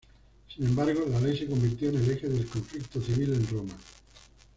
Sin embargo, la Ley se convirtió en el eje del conflicto civil en Roma.